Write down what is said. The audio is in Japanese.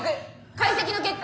解析の結果。